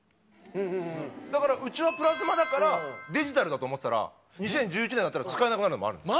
だからうちはプラズマだからデジタルだと思ってたら２０１１年になったら使えなくなるのもあるんです。